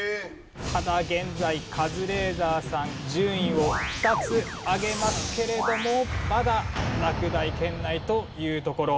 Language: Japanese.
ただ現在カズレーザーさん順位を２つ上げますけれどもまだ落第圏内というところ。